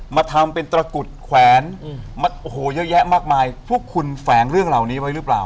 มาทำเป็นตระกุดแขวนโอ้โหเยอะแยะมากมายพวกคุณแฝงเรื่องเหล่านี้ไว้หรือเปล่า